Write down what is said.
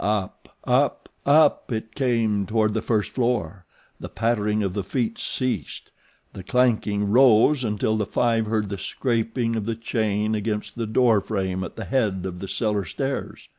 Up, up, up it came toward the first floor. The pattering of the feet ceased. The clanking rose until the five heard the scraping of the chain against the door frame at the head of the cellar stairs.